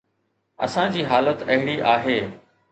اسان جي حالت اهڙي آهي.